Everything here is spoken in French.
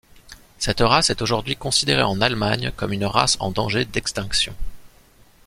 Cette race est aujourd'hui considérée en Allemagne comme une race en danger d'extinction.